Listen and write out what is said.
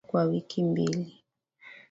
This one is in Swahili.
Tunakaa kwa wiki mbili.